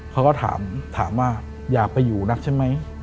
เขาก็ถามถามว่าอยากไปอยู่นักใช่ไหม